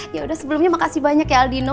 yaudah sebelumnya makasih banyak ya aldino